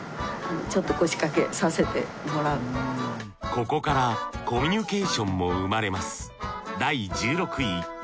ここからコミュニケーションも生まれます